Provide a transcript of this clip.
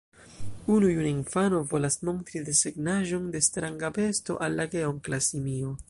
Unu juna infano volas montri desegnaĵon de stranga besto al la geonkla simio.